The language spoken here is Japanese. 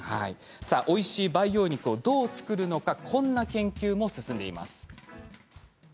おいしい培養肉をどう作るのかこんな研究も進んでいます。